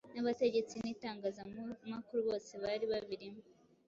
n'abategetsi n'itangazamakuru bose bari babirimo